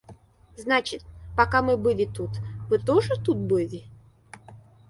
Значит, пока мы были тут, вы тоже тут были?